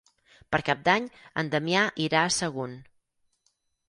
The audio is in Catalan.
Per Cap d'Any en Damià irà a Sagunt.